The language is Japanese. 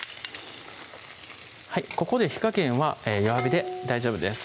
ここで火加減は弱火で大丈夫です